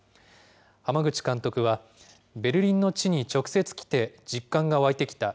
濱口監督は、ベルリンの地に直接来て、実感が湧いてきた。